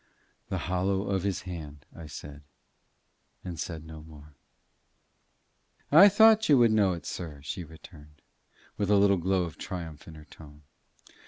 "The hollow of his hand," I said, and said no more. "I thought you would know it, sir," she returned, with a little glow of triumph in her tone.